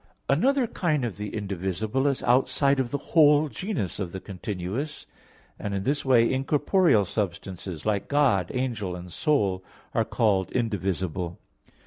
Another kind of the indivisible is outside of the whole genus of the continuous; and in this way incorporeal substances, like God, angel and soul, are called indivisible.